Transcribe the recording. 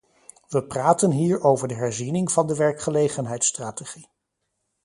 We praten hier over de herziening van de werkgelegenheidsstrategie.